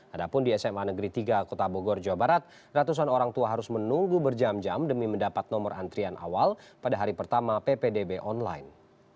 adapun di sma negeri tiga kota bogor jawa barat ratusan orang tua harus menunggu berjam jam demi mendapat nomor antrian awal pada hari pertama ppdb online